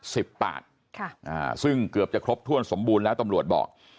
ค่ะอ่าซึ่งเกือบจะครบถ้วนสมบูรณ์แล้วตำรวจบอก